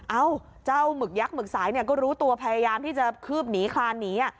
เอ้าเจ้าหมึกยักษ์หมึกสายก็รู้ตัวพยายามที่จะคืบหนีคลานหนี